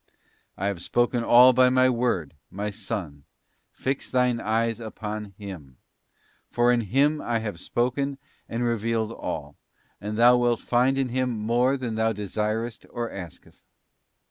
't I have spoken all by My Word, my Son; fix thine eyes upon Him, for in Him I have spoken and revealed all, and thou wilt find in Him more than thou desirest or askest.